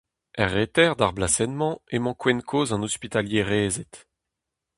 Er reter d'ar blasenn-mañ emañ kouent kozh an Ospitalierezed.